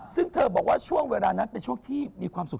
ซึ่งเธอบอกว่าช่วงเวลานั้นเป็นช่วงที่มีความสุข